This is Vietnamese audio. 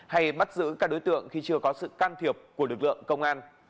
hay bắt giữ các đối tượng khi chưa có sự can thiệp của lực lượng công an